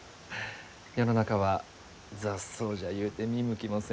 世の中は雑草じゃゆうて見向きもせんのに。